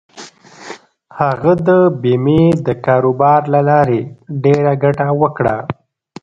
هغه د بېمې د کاروبار له لارې ډېره ګټه وکړه.